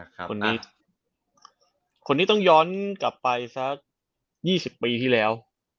คนนี้คนนี้ต้องย้อนกลับไปสัก๒๐ปีที่แล้ว